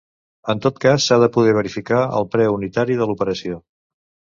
En tot cas, s'ha de poder verificar el preu unitari de l'operació.